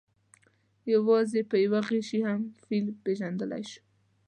یوازې په یوه غشي هم فیل پېژندلی شو.